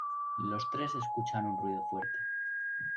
Los tres escuchan un ruido fuerte.